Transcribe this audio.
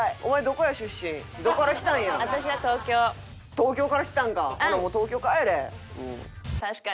東京から来たんか？